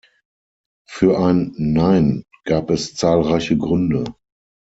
Für ein "Nein" gab es zahlreiche Gründe.